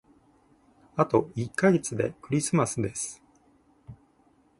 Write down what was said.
あと一ヶ月でクリスマスです。